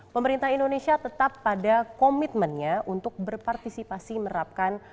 pemerintah indonesia tetap pada komitmennya untuk berpartisipasi menerapkan